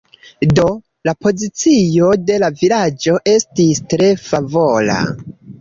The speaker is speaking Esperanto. Do, la pozicio de la vilaĝo estis tre favora.